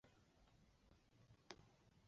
西区位于嘉义市西隅。